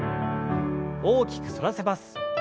大きく反らせます。